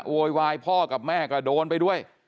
โวยวายพ่อกับแม่ก็โดนไปด้วย